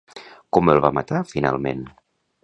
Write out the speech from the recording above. Com el va matar finalment?